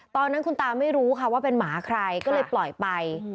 ตอนนั้นคุณตาไม่รู้ค่ะว่าเป็นหมาใครก็เลยปล่อยไป